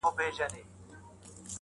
د نورو د ستم په گيلاسونو کي ورک نه يم,